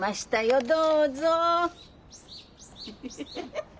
どうぞ。